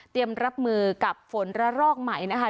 เตรียมรับมือกับฝนระรอกใหม่นะคะ